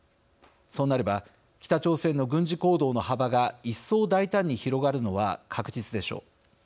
そうなれば北朝鮮の軍事行動の幅が一層大胆に広がるのは確実でしょう。